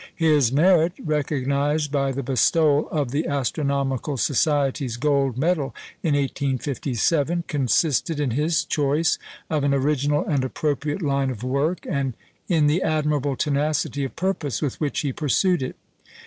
His merit recognised by the bestowal of the Astronomical Society's Gold Medal in 1857 consisted in his choice of an original and appropriate line of work, and in the admirable tenacity of purpose with which he pursued it.